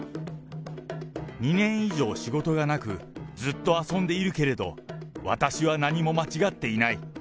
２年以上仕事がなく、ずっと遊んでいるけれど、私は何も間違っていない。